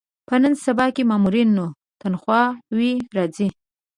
په نن سبا کې د مامورینو تنخوا وې راځي.